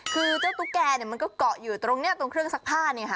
คือเจ้าตุ๊กแกมันก็เกาะอยู่ตรงนี้ตรงเครื่องซักผ้าเนี่ยค่ะ